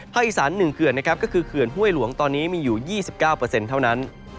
อีสาน๑เขื่อนนะครับก็คือเขื่อนห้วยหลวงตอนนี้มีอยู่๒๙เท่านั้น